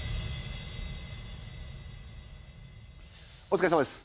お疲れさまです。